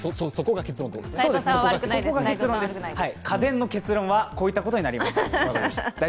家電の結論はこういったことになりました。